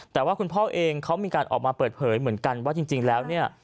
แต่ว่าคุณพ่อเองเขามีการออกมาเปิดเผยเหมือนกันว่าจริงแล้วเนี่ย